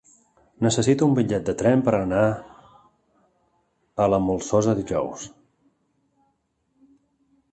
Necessito un bitllet de tren per anar a la Molsosa dijous.